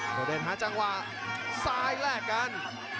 โดดเดนต์มาจังหว่าซ้ายแรกกัน